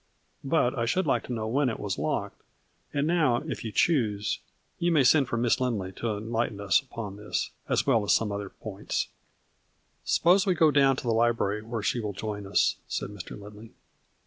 " But I should like to know when it was locked, and now, if you choose, you may send for Miss Lindley to enlighten us upon this, as well as some other points." 40 A FLURRY IN DIAMONDS. " Suppose we go down to the library, where she will join us," said Mr. Lindley.